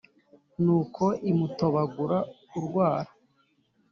nuko imutobagura urwara;